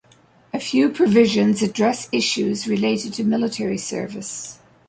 A few provisions address issues related to military service.